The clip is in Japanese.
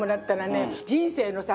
人生のさ